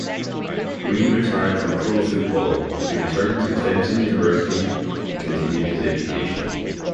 Green retired from pro football, he returned to Clemson University and continued his education.